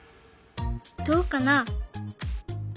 どうかな？